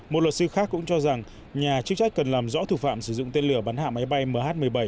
một luật sư khác cũng cho rằng nhà chức trách cần làm rõ thủ phạm sử dụng tên lửa bắn hạ máy bay mh một mươi bảy